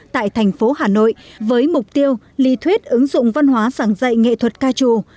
tại thành phố hà nội với mục tiêu lý thuyết ứng dụng văn hóa sẵn dạy nghệ thuật ca trù